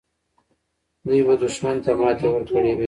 دوی به دښمن ته ماتې ورکړې وي.